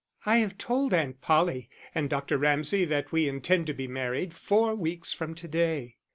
"I have told Aunt Polly and Dr. Ramsay that we intend to be married four weeks from to day."